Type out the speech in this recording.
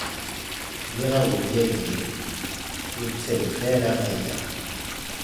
Nniɣ-awen yagi ur ttget ara aya.